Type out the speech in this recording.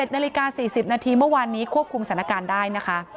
๑นาฬิกา๔๐นาทีเมื่อวานนี้ควบคุมสถานการณ์ได้นะคะ